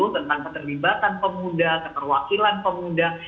tentang keterlibatan pemuda keterwakilan pemuda